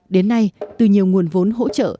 đến nay từ nhiều nguồn vốn hỗ trợ